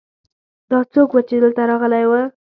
دا څوک ؤ چې دلته راغلی ؤ